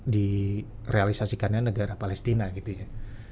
direalisasikannya negara palestina gitu ya